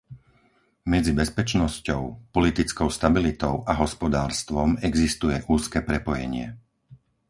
Medzi bezpečnosťou, politickou stabilitou a hospodárstvom existuje úzke prepojenie.